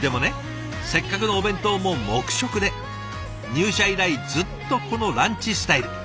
入社以来ずっとこのランチスタイル。